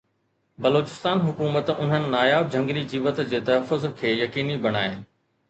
بلوچستان حڪومت انهن ناياب جهنگلي جيوت جي تحفظ کي يقيني بڻائي